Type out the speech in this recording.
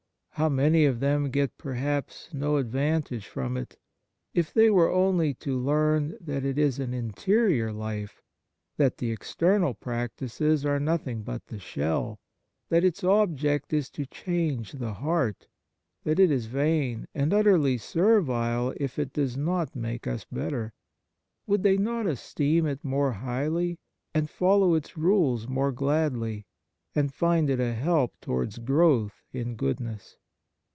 How many of them get perhaps no advantage from it ? If they were only to learn that it is an interior life, that the external practices are nothing but the shell, that its object is to change the heart, that it is vain and utterly servile, if it does not make us better, would they not esteem it more highly, and follow its rules more gladly, and find it a help towards growth in goodness